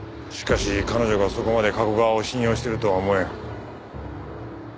しかし彼女がそこまで加古川を信用してるとは思えん。